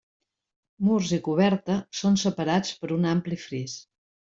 Murs i coberta són separats per un ampli fris.